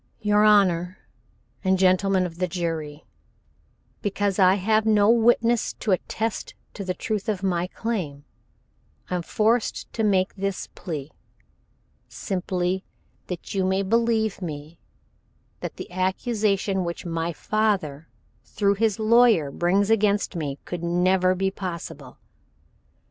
"Your Honor, and Gentlemen of the Jury, Because I have no witness to attest to the truth of my claim, I am forced to make this plea, simply that you may believe me, that the accusation which my father through his lawyer brings against me could never be possible.